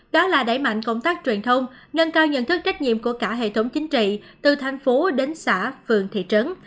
đó là đẩy mạnh công tác truyền thông nâng cao nhận thức trách nhiệm của cả hệ thống chính trị từ thành phố đến xã phường thị trấn